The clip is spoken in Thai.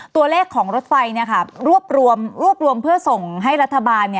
ตัวเลขของรถไฟรวบรวมเพื่อส่งให้รัฐบาล